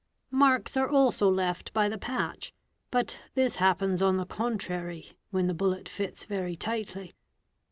' Marks are also left by the patch, but this happens on the contrary when the bullet fits very tightly.